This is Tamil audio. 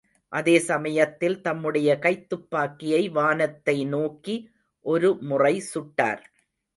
அதே சமயத்தில் தம்முடைய கைத்துப்பாக்கியை வானத்தை நோக்கி ஒரு முறை சுட்டார்.